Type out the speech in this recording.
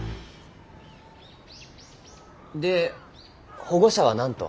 で保護者は何と？